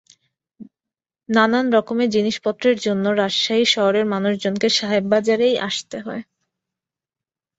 নানান রকমের জিনিসপত্রের জন্য রাজশাহী শহরের মানুষজনকে সাহেব বাজারে আসতেই হয়।